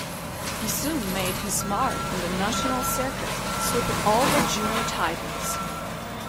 He soon made his mark on the national circuit, sweeping all the junior titles.